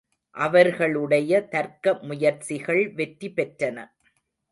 அவர்களுடைய தர்க்க முயற்சிகள் வெற்றி பெற்றன.